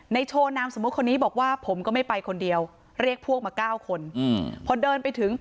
ในโชว์นามสมมุติคนนี้บอกว่าผมก็ไม่ไปคนเดียวเรียกพวกมา๙คน